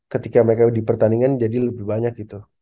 ketika mereka di pertandingan jadi lebih banyak gitu